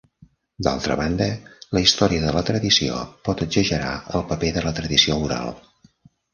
D'altra banda, la història de la tradició pot exagerar el paper de la tradició oral.